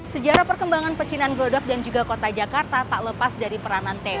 sejarah perkembangan pecinan glodok dan juga kota jakarta tak lepas dari peranan teo